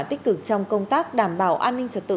tích cực trong công tác đảm bảo an ninh trật tự